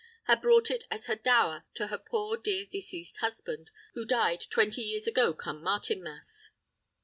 had brought it as her dower to her poor dear deceased husband, who died twenty years ago come Martinmas.